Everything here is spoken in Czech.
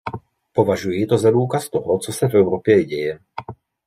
Považuji to za důkaz toho, co se v Evropě děje.